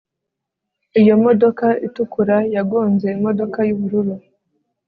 iyo modoka itukura yagonze imodoka yubururu